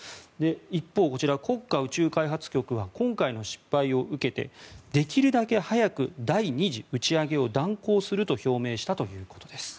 一方、国家宇宙開発局は今回の失敗を受けてできるだけ早く第２次打ち上げを断行すると表明したということです。